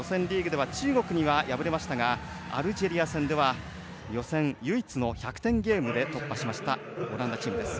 予選リーグでは中国に敗れましたがアルジェリア戦では予選唯一の１００点ゲームで突破した、オランダチームです。